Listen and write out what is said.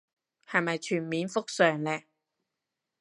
係咪全面復常嘞